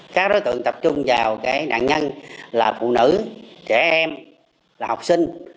các đối tượng tập trung vào nạn nhân là phụ nữ trẻ em là học sinh